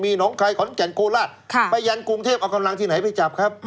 มีน้องไขของเกร็ญโคล่าไปยันต์กรุงเทพฯเอากำลังที่ไหนไปจับครับ